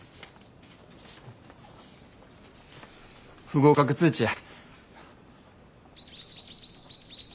不合格通知や。